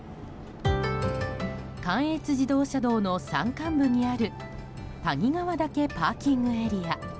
関越自動車道の山間部にある谷川岳ＰＡ。